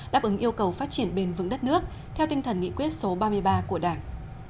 đáp ứng yêu cầu phát triển bền vững đất nước theo tinh thần nghị quyết số ba mươi ba của đảng